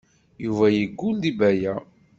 Yuba yeggul deg Baya.